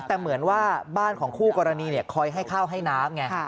แต่เหมือนว่าบ้านของคู่กรณีคอยให้ข้าวให้น้ำไง